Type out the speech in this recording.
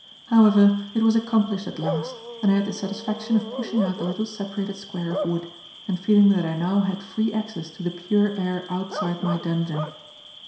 However, it was accomplished at last, and I had the satisfaction of pushing out the little separated square of wood and feeling that I now had free access to the pure air outside my dungeon.